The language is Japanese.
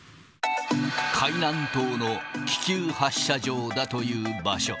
海南島の気球発射場だという場所。